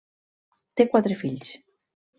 Té quatre fills.